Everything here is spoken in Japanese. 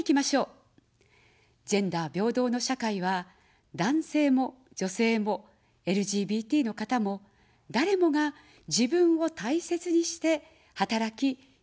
ジェンダー平等の社会は、男性も女性も、ＬＧＢＴの方も、誰もが自分を大切にして働き、生きることのできる社会です。